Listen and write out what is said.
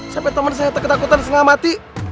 sampai teman saya takut takutan sengam mati